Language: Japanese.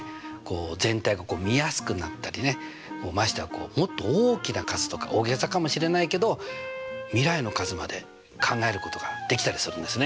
全体が見やすくなったりねましてやもっと大きな数とか大げさかもしれないけど未来の数まで考えることができたりするんですね。